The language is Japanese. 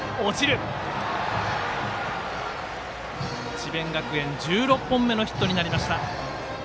智弁学園１６本目のヒットになりました。